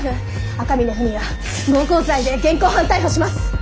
赤峰文也暴行罪で現行犯逮捕します。